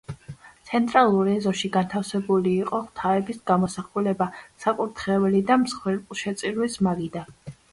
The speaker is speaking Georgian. ცენტრალურ ეზოში განთავსებული იყო ღვთაების გამოსახულება, საკურთხეველი და მსხვერპლშეწირვის მაგიდა.